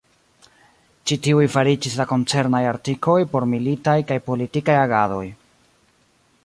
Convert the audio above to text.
Ĉi tiuj fariĝis la koncernaj artikoj por militaj kaj politikaj agadoj.